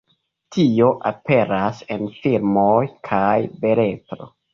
Tio aperas en filmoj kaj beletro.